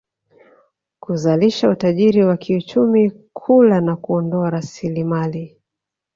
kuzalisha utajiri wa kiuchumi kula na kuondoa rasilimali